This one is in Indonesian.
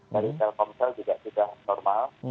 dari telkomsel juga sudah normal